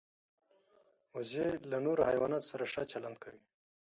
وزې له نورو حیواناتو سره ښه چلند کوي